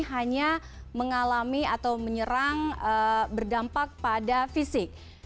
hanya mengalami atau menyerang berdampak pada fisik